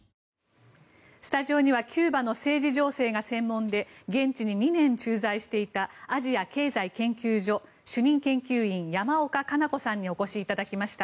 スタジオにはキューバの政治情勢がご専門で現地に２年駐在していたアジア経済研究所主任研究員山岡加奈子さんにお越しいただきました。